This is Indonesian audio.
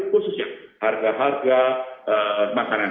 khususnya harga harga makanan